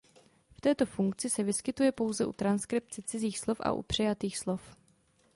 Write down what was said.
V této funkci se vyskytuje pouze u transkripce cizích slov a u přejatých slov.